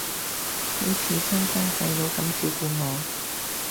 好似親生細佬噉照顧我